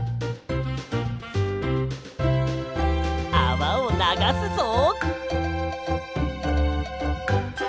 あわをながすぞ！